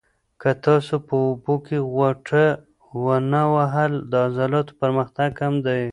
که تاسو په اوبو کې غوټه ونه وهل، د عضلاتو پرمختګ کم دی.